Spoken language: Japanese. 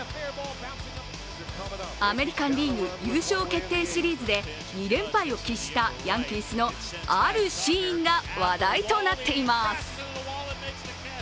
アメリカンリーグ優勝決定シリーズで２連敗を喫したヤンキースのあるシーンが話題となっています。